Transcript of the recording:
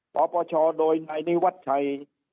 ปปชโดยในนิวัฒน์ชัย